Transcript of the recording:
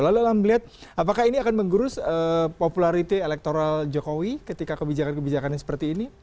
lalu kita lihat apakah ini akan mengurus popularitas elektoral jokowi ketika kebijakan kebijakan seperti ini